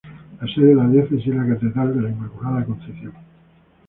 La sede de la Diócesis es la Catedral de la Inmaculada Concepción.